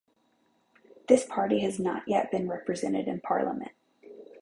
This party has not yet been represented in parliament.